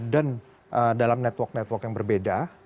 dan dalam network network yang berbeda